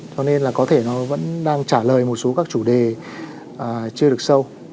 cho nên là có thể nó vẫn đang trả lời một số các chủ đề chưa được sâu